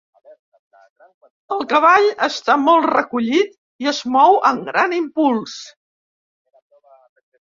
El cavall està molt recollit i es mou amb gran impuls.